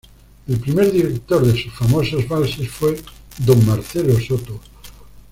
El primer director de sus famosos valses fue don Marcelo Soto.